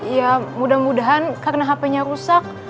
ya mudah mudahan karena hapenya rusak